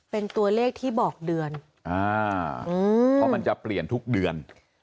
เป็นตัวเลขที่บอกเดือนเพราะมันจะเปลี่ยนทุกเดือน